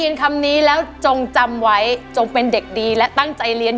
ได้ยินคำนี้จงจำไว้จงเป็นเด็กดีและตั้งใจเรียน